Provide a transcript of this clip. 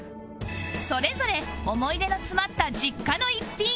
それぞれ思い出の詰まった実家の一品